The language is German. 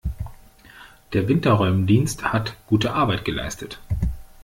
Der Winterräumdienst hat gute Arbeit geleistet.